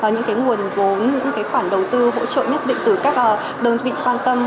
những nguồn vốn những khoản đầu tư hỗ trợ nhất định từ các đơn vị quan tâm